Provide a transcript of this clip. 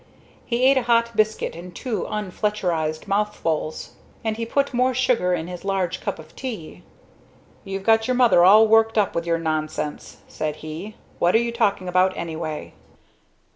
He ate a hot biscuit in two un Fletcherized mouthfuls, and put more sugar in his large cup of tea. "You've got your Mother all worked up with your nonsense," said he. "What are you talking about anyway?"